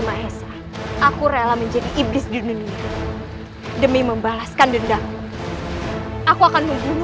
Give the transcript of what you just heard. mahesa aku rela menjadi iblis dunia demi membalaskan dendam aku akan membunuh